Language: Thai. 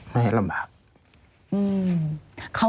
ไม่เห็นลำบาก